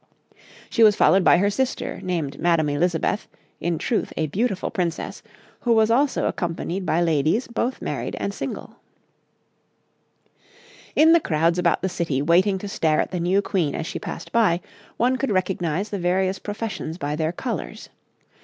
'She was followed by her sister, named Madame Elizabeth, in truth a beautiful Princess, who was also accompanied by ladies both married and single.' In the crowds about the city waiting to stare at the new Queen as she passed by, one could recognise the various professions by their colours.